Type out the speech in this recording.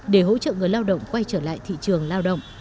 để hỗ trợ người lao động quay trở lại thị trường lao động